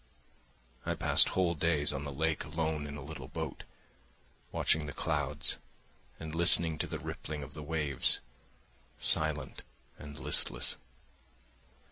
I passed whole days on the lake alone in a little boat, watching the clouds and listening to the rippling of the waves, silent and listless.